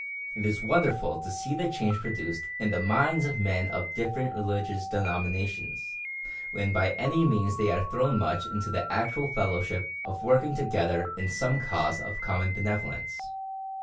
It is wonderful to see the change produced in the minds of men of different religious denominations, when by any means they are thrown much into the actual fellowship of working together in some cause of common benevolence.